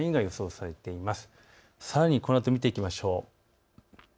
さらにこのあと見ていきましょう。